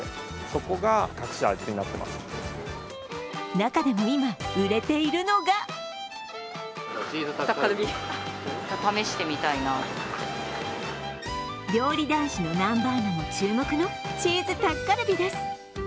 中でも今、売れているのが料理男子の南波アナも注目のチーズタッカルビです。